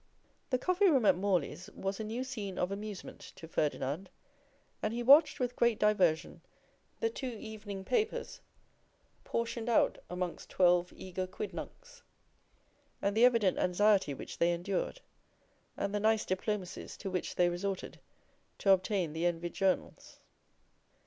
The coffee room at Morley's was a new scene of amusement to Ferdinand, and he watched with great diversion the two evening papers portioned out among twelve eager quidnuncs, and the evident anxiety which they endured, and the nice diplomacies to which they resorted, to obtain the envied journals.